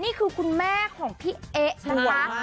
คุณแม่ของพี่เอ๊ะนะคะ